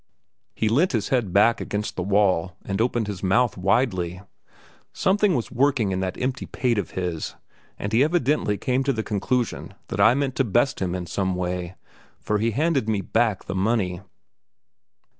He leant his head back against the wall and opened his mouth widely; something was working in that empty pate of his, and he evidently came to the conclusion that I meant to best him in some way, for he handed me back the money.